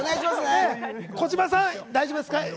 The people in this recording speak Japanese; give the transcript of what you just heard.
児嶋さん、大丈夫ですか。